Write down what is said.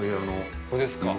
ここですか？